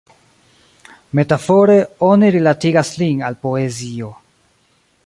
Metafore oni rilatigas lin al poezio.